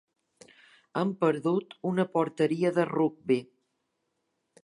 Hem perdut una porteria de rugbi.